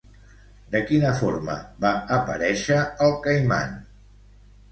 De quina forma va aparèixer el Caiman?